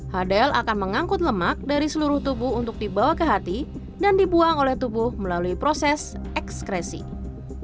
hdl akan mengangkut lemak dari seluruh tubuh untuk dibawa ke hati dan dibuang oleh tubuh melalui proses ekskresif